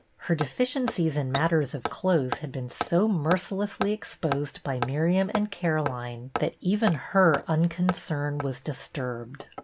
Her deficiencies in matters of clothes had been so mercilessly exposed by Miriam and Caroline that even her unconcern was disturbed.